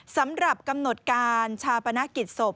สำหรับกำหนดการชาปนกิจศพ